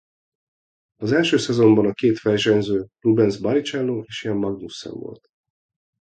Az első szezonban a két versenyző Rubens Barrichello és Jan Magnussen volt.